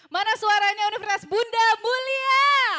mana suaranya universitas bunda mulia